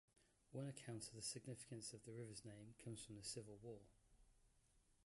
One account of the significance of the river's name comes from the Civil War.